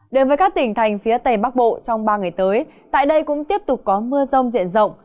đến với các tỉnh thành phía tây bắc bộ trong ba ngày tới tại đây cũng tiếp tục có mưa rông diện rộng